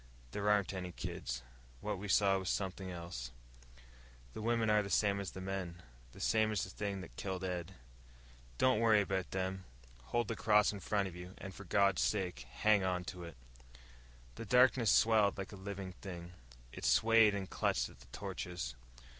"There aren't any kids. What we saw was something else. The women are the same as the men, the same as the thing that killed Ed. Don't worry about them. Hold the cross in front of you, and for God's sake hang onto it!" The darkness swelled like a living thing. It swayed and clutched at the torches.